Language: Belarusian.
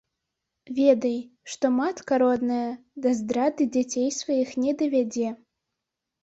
Ведай, што матка родная да здрады дзяцей сваіх не давядзе.